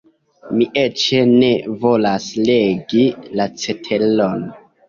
Mi eĉ ne volas legi la ceteron.